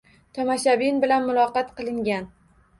Tomoshabin bilan muloqot qilingan.